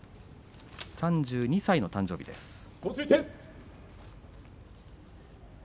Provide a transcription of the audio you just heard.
３２歳の誕生日です。